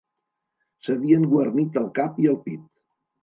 S'havien guarnit el cap i el pit